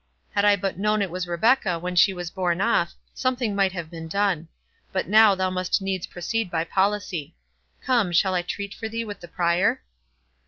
Had I but known it was Rebecca when she was borne off, something might have been done; but now thou must needs proceed by policy. Come, shall I treat for thee with the Prior?"